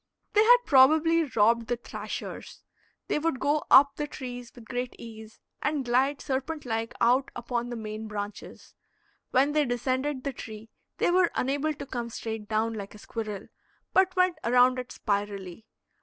They had probably robbed the thrashers. They would go up the trees with great ease, and glide serpent like out upon the main branches. When they descended the tree they were unable to come straight down, like a squirrel, but went around it spirally.